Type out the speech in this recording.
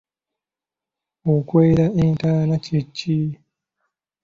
Okwera entaana kye ki?